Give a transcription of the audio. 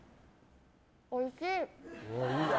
おいしい。